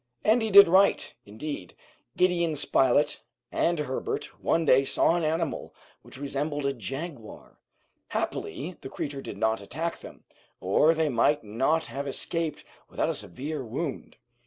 And he did right. Indeed, Gideon Spilett and Herbert one day saw an animal which resembled a jaguar. Happily the creature did not attack them, or they might not have escaped without a severe wound.